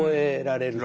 られる。